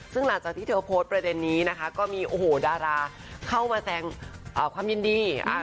ซึ่งหลังจากที่เธอโพสต์ประเด็นนี้นะคะก็มีโอ้โหดาราเข้ามาแสงความยินดีอ่า